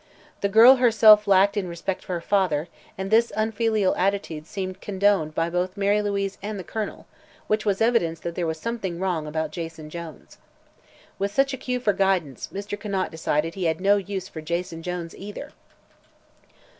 The girl herself lacked in respect for her father, and this unfilial attitude seemed condoned by both Mary Louise and the Colonel, which was evidence that there was something wrong about Jason Jones. With such a cue for guidance, Mr. Conant decided he had no use for Jason Jones, either.